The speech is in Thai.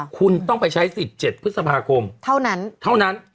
คุณต้องไปใช้สิทธิ์๗พฤษภาคมเท่านั้น